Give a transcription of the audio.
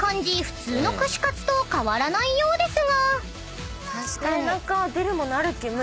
普通の串カツと変わらないようですが］